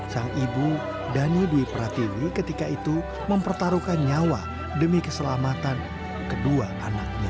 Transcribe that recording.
sang ibu dhani dwi pratiwi ketika itu mempertaruhkan nyawa demi keselamatan kedua anaknya